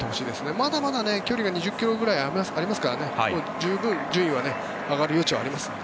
まだまだ距離が２０ｋｍぐらいありますから十分、順位は上がる余地はあります。